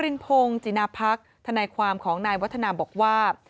รินพงศ์จินาพักทนายความของนายวัฒนาบอกว่า